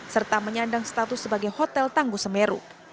serta menyandang status sebagai hotel tangguh semeru